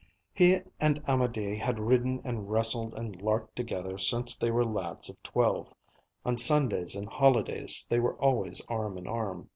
He and Amédée had ridden and wrestled and larked together since they were lads of twelve. On Sundays and holidays they were always arm in arm.